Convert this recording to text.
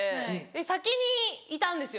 先にいたんですよ